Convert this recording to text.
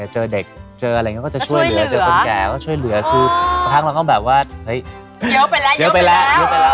เจออะไรก็จะช่วยเหลือเจอคนแก่ก็ช่วยเหลือคือประทั้งเราก็แบบว่าเฮ้ยเยอะไปแล้ว